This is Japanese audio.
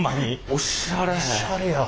おしゃれや。